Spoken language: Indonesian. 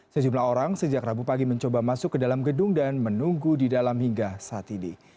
sejumlah orang sejak rabu pagi mencoba masuk ke dalam gedung dan menunggu di dalam hingga saat ini